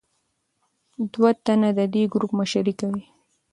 دوه تنه د دې ګروپ مشري کوي.